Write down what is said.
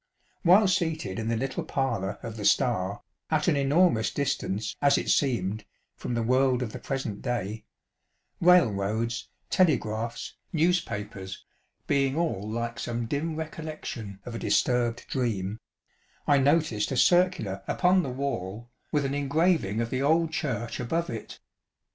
While seated in the little parlour of the " Star," at an enormous distance, as it seemed, from the world of the present day ŌĆö railroads, telegraphs, newspapers, being all like some dim recollection of a disturbed dream ŌĆö I noticed a circular upon the wall, with an engraving of the old church above it.